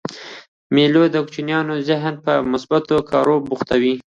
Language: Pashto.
مېلې د کوچنيانو ذهن په مثبتو کارو بوختوي.